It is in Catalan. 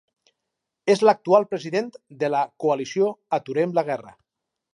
És l'actual president de la Coalició Aturem la Guerra.